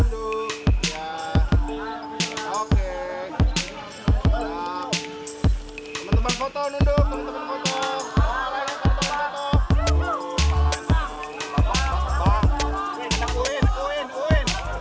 hai teman teman foto dulu ya oke